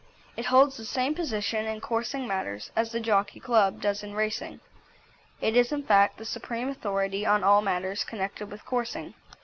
It holds the same position in coursing matters as the Jockey Club does in racing. It is in fact, the supreme authority on all matters connected with coursing.